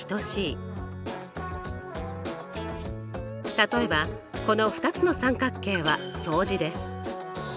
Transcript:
例えばこの２つの三角形は相似です。